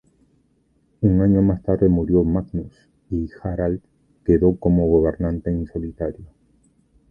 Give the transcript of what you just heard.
Un año más tarde murió Magnus y Harald quedó como gobernante en solitario.